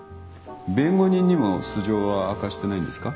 弁護人にも素性は明かしてないんですか？